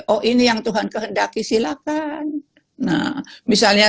oh ini yang tuhan kehendaki silakan nah misalnya